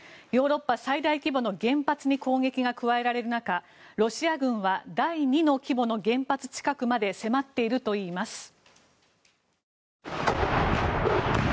ヨーロッパ最大規模の原発に攻撃が加えられる中ロシア軍は第２の規模の原発近くまで迫っているといいます。